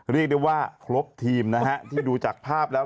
เรียกได้ว่าครบทีมนะฮะที่ดูจากภาพแล้ว